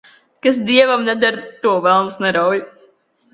Kas dievam neder, to velns nerauj.